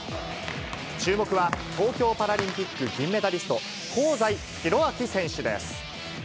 注目は東京パラリンピック銀メダリスト、香西宏昭選手です。